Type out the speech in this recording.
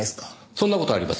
そんな事はありません。